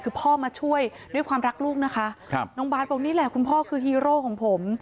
คือพ่อมาช่วยด้วยความรักลูกนะคะครับน้องบาทบอกนี่แหละคุณพ่อคือฮีโร่ของผม